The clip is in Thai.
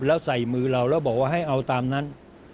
แล้วใส่มือเราแล้วบอกว่าให้เอาตามนั้น